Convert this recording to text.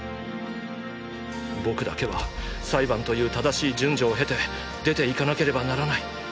僕だけは裁判という正しい順序を経て出ていかなければならない！！